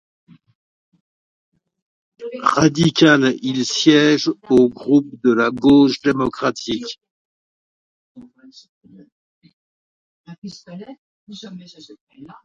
Radical, il siège au groupe de la Gauche démocratique.